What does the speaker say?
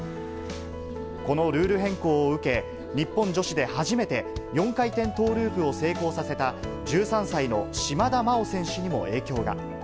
このルール変更を受け、日本女子で初めて４回転トーループを成功させた１３歳の島田麻央選手にも影響が。